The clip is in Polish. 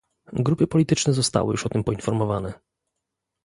Grupy polityczne zostały już o tym poinformowane